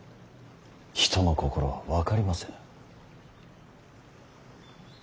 人の心は分かりませぬ。